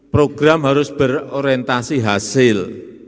program harus berorientasi hasil